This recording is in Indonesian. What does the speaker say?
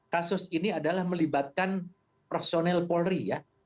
kasus ini adalah melibatkan personel polri ya